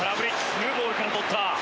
ツーボールからとった。